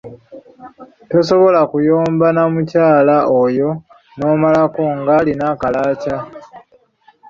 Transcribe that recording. Tosobola kuyomba na mukyala oyo n’omalako ng’alina akalaaca!